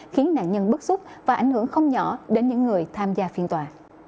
khiến nạn nhân bức xúc và ảnh hưởng không nhỏ đến những người tham gia phiên tòa